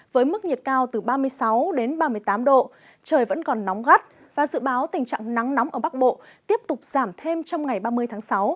với mức nhiệt cao từ ba mươi sáu đến ba mươi tám độ trời vẫn còn nóng gắt và dự báo tình trạng nắng nóng ở bắc bộ tiếp tục giảm thêm trong ngày ba mươi tháng sáu